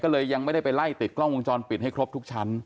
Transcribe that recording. ก็เลยยังไม่ได้ไปไล่ติดกล้องวงจรปิดให้ครบทุกชั้น